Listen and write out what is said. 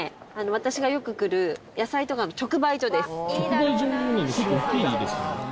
私がよく来る野菜とかの直売所です。